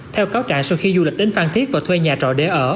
theo cáo trạng sau khi du lịch đến phan thiết và thuê nhà trọ để ở